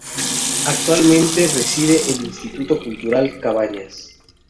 Actualmente reside el Instituto Cultural Cabañas.